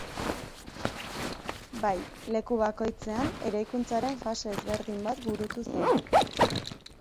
Bai, leku bakoitzean eraikuntzaren fase ezberdin bat burutu zen.